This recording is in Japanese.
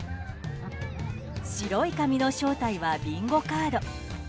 白い紙の正体はビンゴカード。